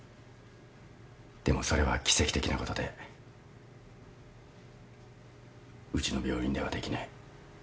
でもそれは奇跡的なことでうちの病院ではできない。